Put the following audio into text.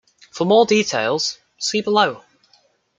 For more details see below.